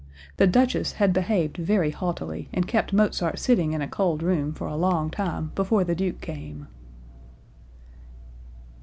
The Duchess had behaved very haughtily and kept Mozart sitting in a cold room for a long time before the Duke came.)